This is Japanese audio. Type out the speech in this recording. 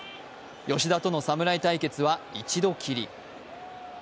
吉田との侍対決は一度きり。